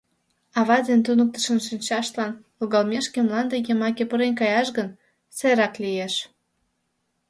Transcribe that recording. Ава ден туныктышын шинчаштлан логалмешке мланде йымаке пурен каяш гын, сайрак лиеш.